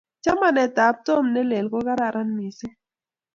Chamanetab Tom ne lel ko kararan missing